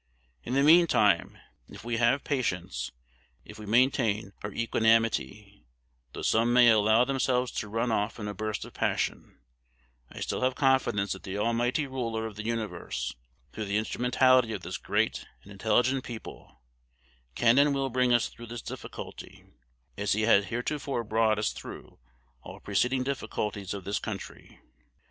In the mean time, if we have patience, if we maintain our equanimity, though some may allow themselves to run off in a burst of passion, I still have confidence that the Almighty Ruler of the Universe, through the instrumentality of this great and intelligent people, can and will bring us through this difficulty, as he has heretofore brought us through all preceding difficulties of the country.